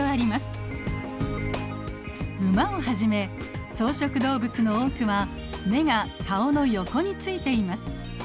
ウマをはじめ草食動物の多くは眼が顔の横についています。